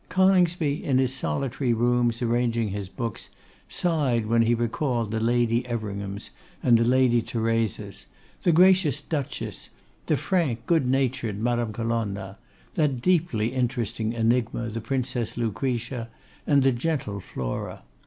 Coningsby in his solitary rooms arranging his books, sighed when he recalled the Lady Everinghams and the Lady Theresas; the gracious Duchess; the frank, good natured Madame Colonna; that deeply interesting enigma the Princess Lucretia; and the gentle Flora.